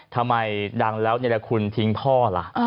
ทำไมดังแล้วนี่แหละคุณทิ้งพ่อล่ะ